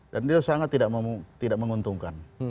dan itu sangat tidak menguntungkan